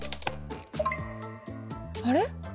あれ？